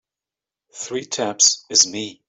Three taps is me.